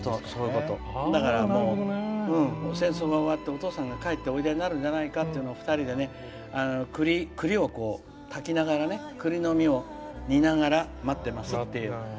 だから、戦争が終わってお父さんが帰っておいでになるんじゃないかというのを２人でくりの実を煮ながら待ってますっていう。